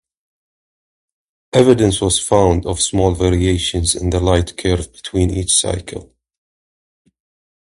Evidence was found of small variations in the light curve between each cycle.